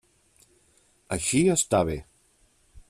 Així està bé.